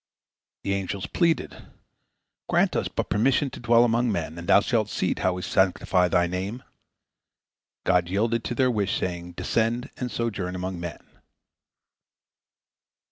The angels pleaded, "Grant us but permission to dwell among men, and Thou shalt see how we will sanctify Thy Name." God yielded to their wish, saying, "Descend and sojourn among men!"